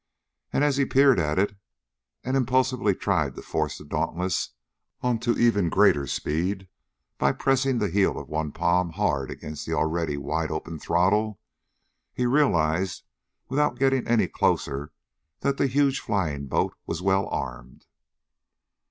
And as he peered at it and impulsively tried to force the Dauntless on to even greater speed by pressing the heel of one palm hard against the already wide open throttle, he realized without getting any closer that the huge flying boat was well armed.